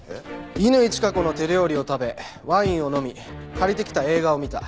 「乾チカ子の手料理を食べワインを飲み借りてきた映画を見た。